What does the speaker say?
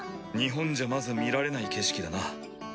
日本じゃまず見られない景色だな。